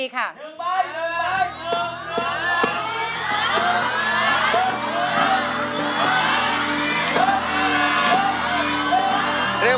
๑ป้าย๑ป้าย